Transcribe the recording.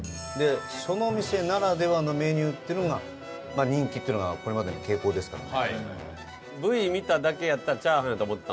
その店ならではのメニューっていうのが人気っていうのがこれまでの傾向ですからね。